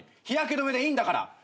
日焼け止めでいいんだから。